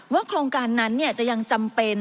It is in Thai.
โครงการนั้นจะยังจำเป็น